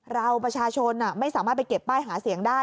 เราประชาชนไม่สามารถไปเก็บป้ายหาเสียงได้